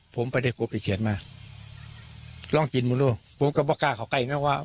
ผมไปเต็กประเทศมาลองกินพูดลูกผมจะบอกก้าของกัยเนี้ยว่า